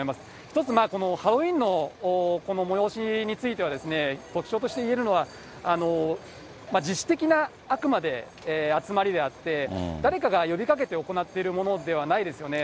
一つ、このハロウィーンのこの催しについて特徴としていえるのは、自主的な、あくまで集まりであって、誰かが呼びかけて行っているものではないですよね。